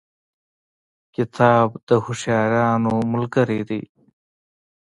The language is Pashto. کتاب د هوښیارانو ملګری دی.